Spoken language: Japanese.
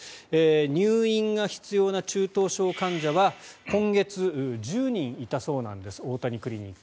入院が必要な中等症患者は今月１０人いたそうなんです大谷クリニック。